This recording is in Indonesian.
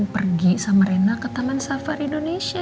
pergi sama rena ke taman safari indonesia